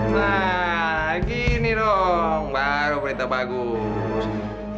wah gini dong baru berita bagus